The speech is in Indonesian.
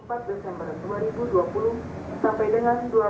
dua puluh empat desember dua ribu dua puluh sampai dengan dua puluh